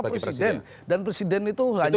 presiden dan presiden itu hanya